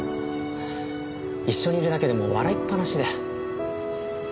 一緒にいるだけでもう笑いっぱなしで。